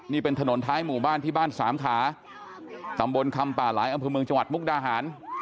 นี่เป็นถนนท้ายหมู่บ้านที่บ้านสามขาตำบลคำป่าหลายอำเภอเมืองจังหวัดมุกดาหาร